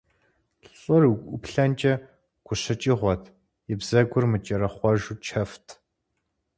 ЛӀыр уӀуплъэнкӀэ гущыкӀыгъуэт, и бзэгур мыкӀэрэхъуэжу чэфт.